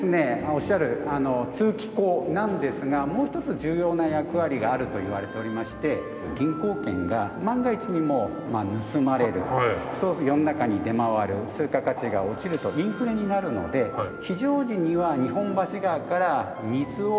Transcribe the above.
おっしゃる通気孔なんですがもう一つ重要な役割があるといわれておりまして銀行券が万が一にも盗まれるそうすると世の中に出回る通貨価値が落ちるとインフレになるので非常時には日本橋川から水を。